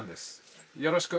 「よろしく」。